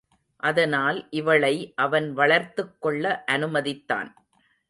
அதனால் இவளை அவன் வளர்த்துக்கொள்ள அனுமதித்தான்.